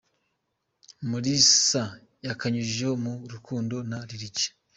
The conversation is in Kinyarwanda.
Umulisa yakanyujijeho mu rukundo na Lil G.